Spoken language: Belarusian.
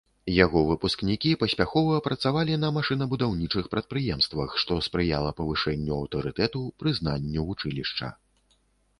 Яго выпускнікі паспяхова працавалі на машынабудаўнічых прадпрыемствах, што спрыяла павышэнню аўтарытэту, прызнанню вучылішча.